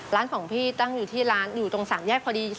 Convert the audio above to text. ของพี่ตั้งอยู่ที่ร้านอยู่ตรง๓แยกพอดี